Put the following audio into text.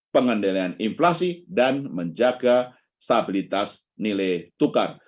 pengendalian inflasi dan menjaga stabilitas nilai tukar